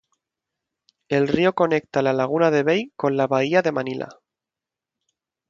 El río conecta la Laguna de Bay con la bahía de Manila.